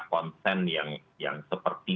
konten yang seperti